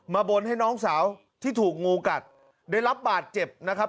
บนให้น้องสาวที่ถูกงูกัดได้รับบาดเจ็บนะครับ